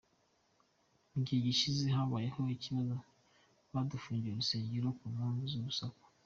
Mu gihe gishize habayeho ikibazo badufungira urusengero ku mpamvu y’urusaku.